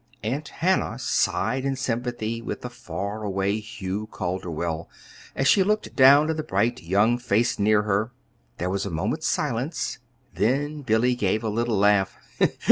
Aunt Hannah sighed in sympathy with the far away Hugh Calderwell, as she looked down at the bright young face near her. There was a moment's silence; then Billy gave a little laugh.